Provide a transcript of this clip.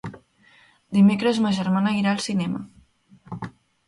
Dimecres ma germana irà al cinema.